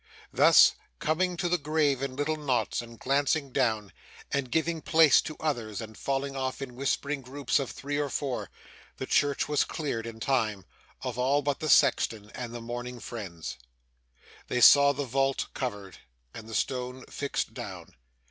Thus, coming to the grave in little knots, and glancing down, and giving place to others, and falling off in whispering groups of three or four, the church was cleared in time, of all but the sexton and the mourning friends. They saw the vault covered, and the stone fixed down.